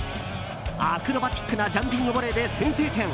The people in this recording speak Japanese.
アクロバティックなジャンピングボレーで先制点。